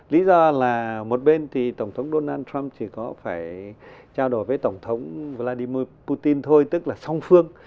lý do là một bên thì tổng thống donald trump chỉ có phải trao đổi với tổng thống vladimir putin thôi tức là song phương